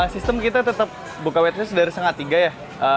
sistem kita tetap buka whatsap dari setengah tiga ya